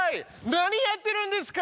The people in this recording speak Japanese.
何やってるんですか！